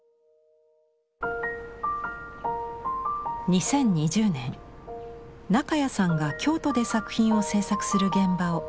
２０２０年中谷さんが京都で作品を制作する現場を取材することができました。